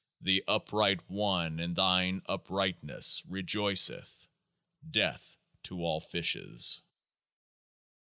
31 The Upright One in thine Uprightness re joiceth — Death to all Fishes